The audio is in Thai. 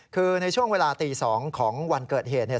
คือในช่วงเวลาตี๒ของวันเกิดเหตุเนี่ย